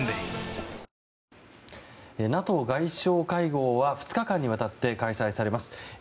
ＮＡＴＯ外相会合は２日間にわたって開催されます。